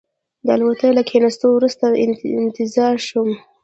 د الوتکې له کېناستو وروسته انتظار شوم.